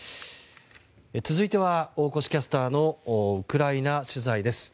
続いては、大越キャスターのウクライナ取材です。